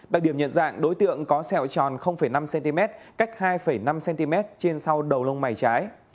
đặc điểm nhận dạng đối tượng có sẹo tròn năm cm cách hai năm cm trên sau đầu lông mày trái